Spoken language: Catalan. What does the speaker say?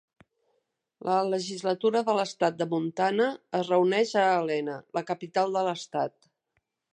La Legislatura de l'estat de Montana es reuneix a Helena, la capital de l'estat.